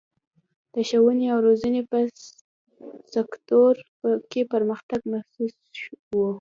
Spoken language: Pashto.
د ښوونې او روزنې په سکتور کې پرمختګ محسوس و.